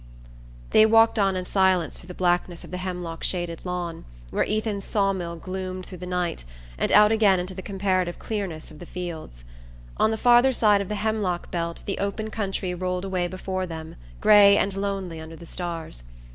They walked on in silence through the blackness of the hemlock shaded lane, where Ethan's sawmill gloomed through the night, and out again into the comparative clearness of the fields. On the farther side of the hemlock belt the open country rolled away before them grey and lonely under the stars.